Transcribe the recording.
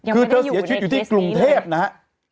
คือเธอเสียชีวิตอยู่ที่กรุงเทพนะฮะ